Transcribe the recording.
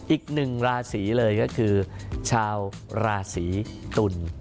อีกหนึ่งราศีเลยก็คือชาวราศีตุล